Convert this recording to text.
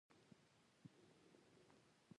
پخوا دې زما سلام نه اخيست.